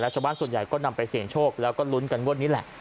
ชาวบ้านส่วนใหญ่ก็นำไปเสี่ยงโชคแล้วก็ลุ้นกันงวดนี้แหละ